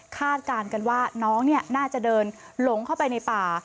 การกันว่าน้องน่าจะเดินหลงเข้าไปในป่า